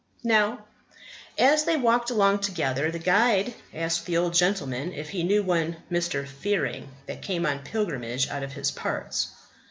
Now, as they walked along together, the guide asked the old gentleman if he knew one Mr. Fearing that came on pilgrimage out of his parts.